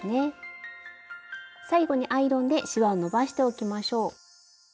最後にアイロンでしわをのばしておきましょう。